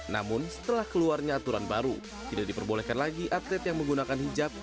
namun setelah keluarnya aturan baru tidak diperbolehkan lagi atlet yang menggunakan hijab